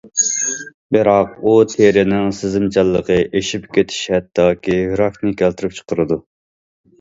بىراق ئۇ تېرىنىڭ سېزىمچانلىقى ئېشىپ كېتىش ھەتتاكى راكنى كەلتۈرۈپ چىقىرىدۇ.